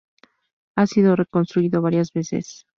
Ha sido reconstruido varias veces.